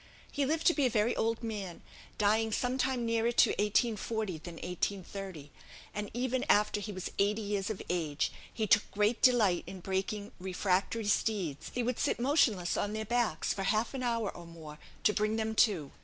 He lived to be a very old man, dying some time nearer to 1840 than 1830; and even after he was eighty years of age, he took great delight in breaking refractory steeds; if necessary, he would sit motionless on their backs for half an hour or more to bring them to.